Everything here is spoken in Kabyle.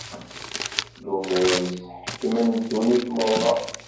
Lumuṛ-is ḥekmen ddunit merra.